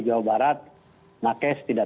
jawa barat alkes tidak